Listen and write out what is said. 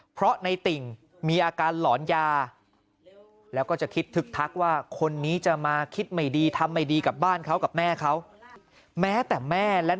เพราะในติ่งมีอาการหลอนยาแล้วก็จะคิดทึกทักว่าคนนี้จะมาคิดไม่ดีทำไม่ดีกับบ้านเขากับแม่เขาแม้แต่แม่และ